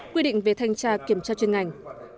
quy định về thanh tra kiểm tra chuyên ngành